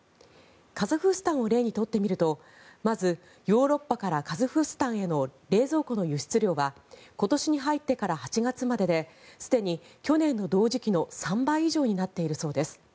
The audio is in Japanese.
カザフスタンを例にとってみるとまずヨーロッパからカザフスタンへの冷蔵庫の輸出量が今年に入ってから８月までですでに去年の同時期の３倍以上になっているそうです。